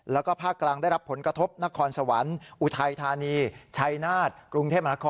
แล้วก็ภาคกลางได้รับผลกระทบนครสวรรค์อุทัยธานีชัยนาฏกรุงเทพมนาคม